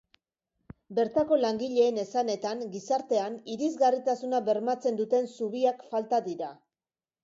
Bertako langileen esanetan, gizartean, irisgarritasuna bermatzen duten zubiak falta dira.